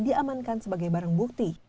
diamankan sebagai barang bukti